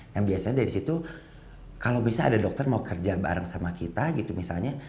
yang biasanya dari situ kalau bisa ada dokter mau kerja bareng sama kita gitu misalnya